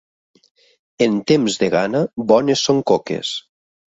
En temps de gana, bones són coques.